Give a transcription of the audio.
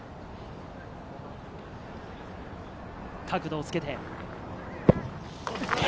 角度をつけて。